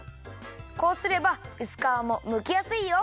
こうすればうすかわもむきやすいよ。